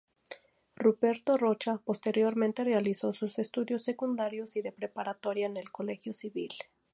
Ruperto Rocha; posteriormente realizó sus estudios secundarios y de preparatoria en el Colegio Civil.